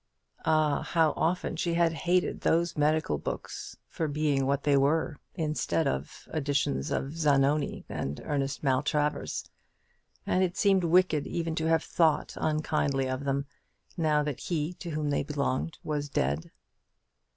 Ah, how often she had hated those medical books for being what they were, instead of editions of "Zanoni" and "Ernest Maltravers!" and it seemed wicked even to have thought unkindly of them, now that he to whom they belonged was dead.